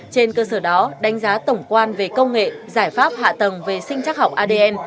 trên cơ sở đó đánh giá tổng quan về công nghệ giải pháp hạ tầng về sinh chắc học adn